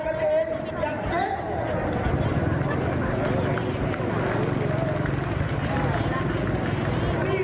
จะพาคนทั้งชาติคนวิทยุทธิ์ได้